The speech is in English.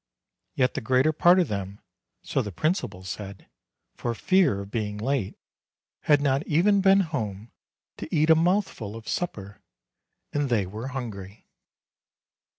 Yet the greater part of them, so the principal said, for fear of being late, had not even been home to eat a mouthful of supper, and they were hungry.